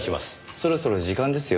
そろそろ時間ですよ。